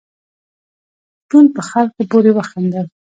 شپون په خلکو پورې وخندل.